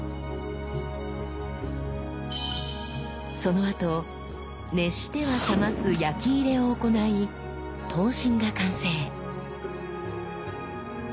そのあと熱しては冷ます焼き入れを行い刀身が完成。